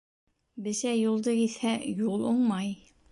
Бесәй юлды киҫһә, юл уңмай.